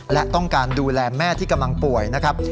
และต้องการดูแลแม่ที่กำลังป่วยนะครับ